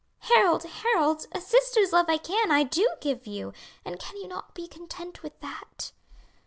"Harold, Harold, a sister's love I can, I do give you; and can you not be content with that?"